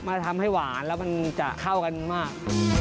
ทำให้หวานแล้วมันจะเข้ากันมาก